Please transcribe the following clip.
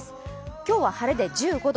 今日は晴れで１５度。